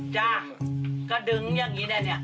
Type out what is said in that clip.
จ้ะก็ดึงอย่างนี้แน่